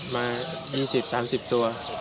มา๒๐๓๐ตัว